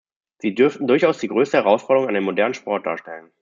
Sie dürften durchaus die größte Herausforderung an den modernen Sport darstellen.